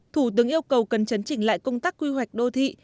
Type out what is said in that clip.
thủ tướng yêu cầu cần chấn chỉnh lại công tác quy hoạch đô thị